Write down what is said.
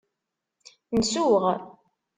Nsuɣ.